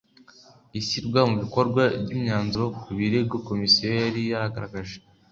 Ishyirwa mu bikorwa ry imyanzuro ku birego Komisiyo yari yaragaragaje